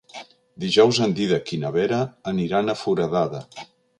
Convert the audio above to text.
Dijous en Dídac i na Vera aniran a Foradada.